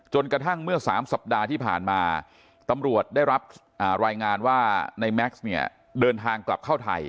กระทั่งเมื่อ๓สัปดาห์ที่ผ่านมาตำรวจได้รับรายงานว่าในแม็กซ์เนี่ยเดินทางกลับเข้าไทย